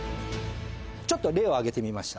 ちょっと例を挙げてみました